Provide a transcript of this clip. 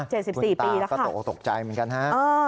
คุณตาก็โตสกใจเหมือนกันฮะ